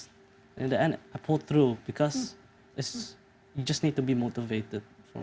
dan akhirnya saya menang karena saya harus memotivasi